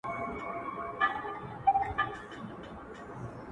اوس هيڅ خبري مه كوی يارانو ليـونيانـو~